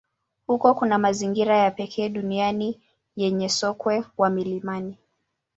Huko kuna mazingira ya pekee duniani yenye sokwe wa milimani.